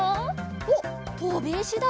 おっとびいしだ。